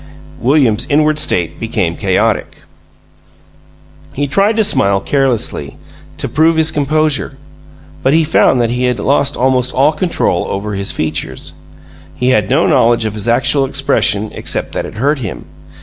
William's inward state became chaotic. He tried to smile carelessly, to prove his composure, but he found that he had lost almost all control over his features. He had no knowledge of his actual expression except that it hurt him.